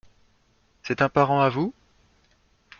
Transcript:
C’est un parent à vous ?